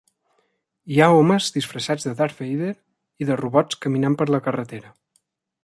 Hi ha homes disfressats de Darth Wader i de robots caminant per la carretera.